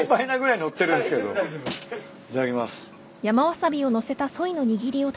いただきます。